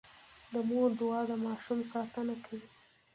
د مور دعا د ماشوم ساتنه کوي.